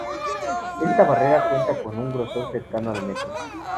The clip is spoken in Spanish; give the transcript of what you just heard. Esta barrera cuenta con un grosor cercano al metro.